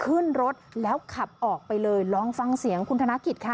ขึ้นรถแล้วขับออกไปเลยลองฟังเสียงคุณธนกิจค่ะ